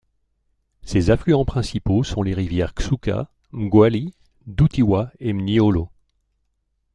Ses affluents principaux sont les rivières Xuka, Mgwali, Dutywa et Mnyolo.